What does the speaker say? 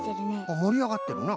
もりあがってるな。